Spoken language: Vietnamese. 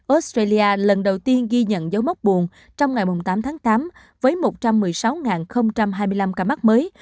australia lần đầu tiên ghi nhận dấu mốc buồn trong ngày tám tháng tám với một trăm một mươi sáu hai mươi năm ca mắc mới